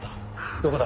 どこだ？